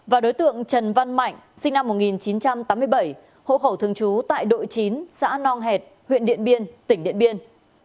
và đối tượng trần văn mạnh sinh năm một nghìn chín trăm tám mươi bảy hộ khẩu thường trú tại đội chín xã nong hẹt huyện điện biên tỉnh điện biên